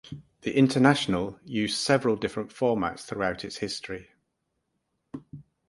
The International used several different formats throughout its history.